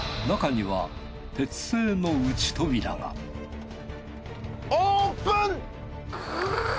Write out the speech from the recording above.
中には鉄製の内扉がオープン！